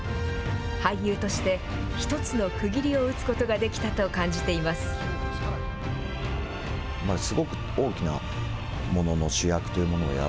俳優として、一つの区切りを打つことができたと感じています。